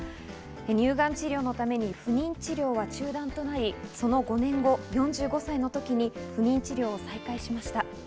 乳がん治療のために不妊治療は中断となり、その５年後、４５歳の時に不妊治療を再開しました。